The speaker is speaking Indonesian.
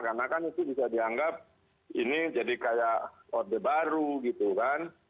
karena kan itu bisa dianggap ini jadi kayak order baru gitu kan